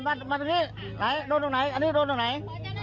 มาตรงนี้ตรงไหนอันนี้ตรงไหน